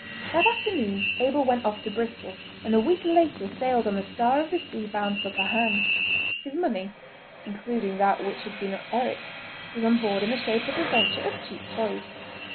That afternoon Abel went off to Bristol, and a week later sailed on the Star of the Sea bound for Pahang. His money—including that which had been Eric's—was on board in the shape of a venture of cheap toys.